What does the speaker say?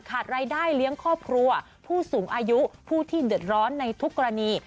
ขาดรายได้เลี้ยงครอบครัวผู้สูงอายุผู้ที่เดือดร้อนในทุกกรณี